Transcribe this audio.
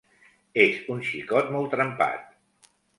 És un xicot molt trempat.